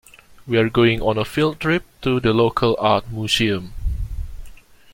We're going on a field trip to the local art museum.